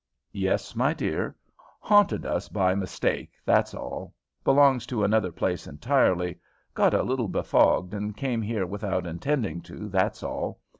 "Yes, my dear. Haunted us by mistake, that's all. Belongs to another place entirely; got a little befogged, and came here without intending to, that's all.